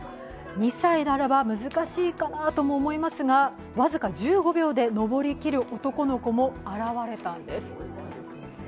２歳ならば難しいかと思いますが僅か１５秒で登り切る男の子も現れたんです。